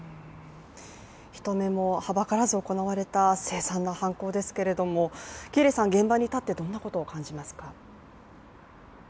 人目もはばからず行われた凄惨な犯行ですけれども、喜入さん、現場に立ってどんなことを感じますか？